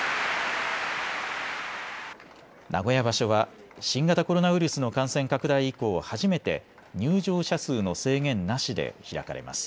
名古屋場所は新型コロナウイルスの感染拡大以降、初めて入場者数の制限なしで開かれます。